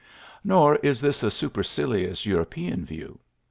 '^ Nor is this a supercilious Euro pean view.